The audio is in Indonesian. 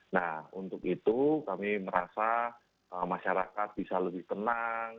nah untuk itu kami merasa masyarakat bisa lebih tenang